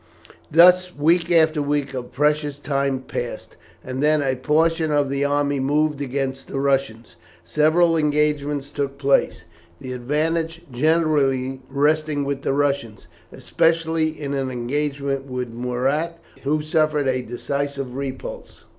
Thus week after week of precious time passed, and then a portion of the army moved against the Russians. Several engagements took place, the advantage generally resting with the Russians, especially in an engagement with Murat, who suffered a decisive repulse.